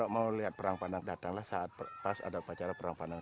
mau lihat perang pandang datanglah saat pas ada upacara perang pandang